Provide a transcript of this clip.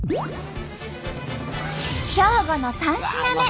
兵庫の３品目。